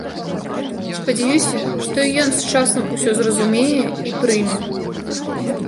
Спадзяюся, што і ён з часам усё зразумее і прыме.